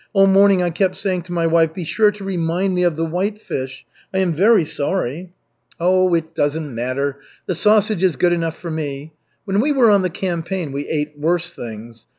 All morning I kept saying to my wife: 'Be sure to remind me of the whitefish.' I am very sorry." "Oh, it doesn't matter. The sausage is good enough for me. When we were on the campaign, we ate worse things.